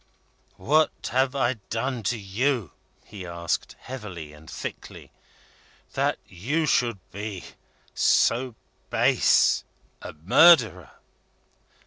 "What have I done to you," he asked, heavily and thickly, "that you should be so base a murderer?"